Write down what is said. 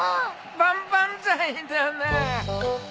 万々歳だな。